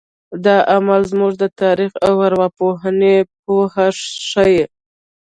دا عمل زموږ د تاریخ او ارواپوهنې پوهه ښیي.